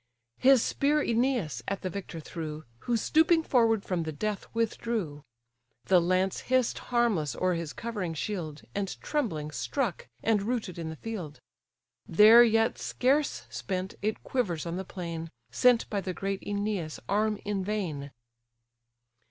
His spear Æneas at the victor threw, Who stooping forward from the death withdrew; The lance hiss'd harmless o'er his covering shield, And trembling struck, and rooted in the field; There yet scarce spent, it quivers on the plain, Sent by the great Æneas' arm in vain.